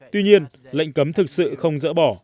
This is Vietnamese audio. tuy nhiên lệnh cấm thực sự không dỡ bỏ